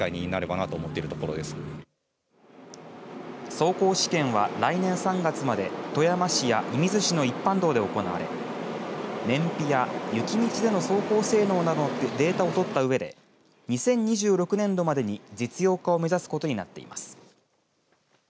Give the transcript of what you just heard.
走行試験は来年３月まで富山市や射水市の一般道で行われ燃費や雪道での走行性能などのデータを取ったうえで２０２６年度までに実用化を目指すことになっています。